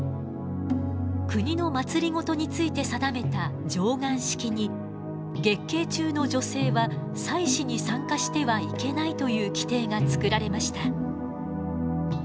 国の政について定めた貞観式に月経中の女性は祭祀に参加してはいけないという規定が作られました。